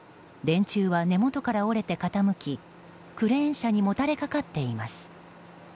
電柱は根元から折れて傾きクレーン車にもたれかかっています。